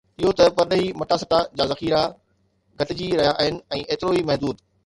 اهو ته پرڏيهي مٽاسٽا جا ذخيرا گهٽجي رهيا آهن ۽ ايترو ئي محدود